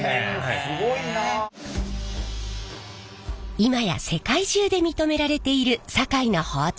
今今や世界中で認められている堺の包丁。